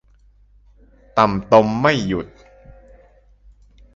ต่ำตมไม่หยุด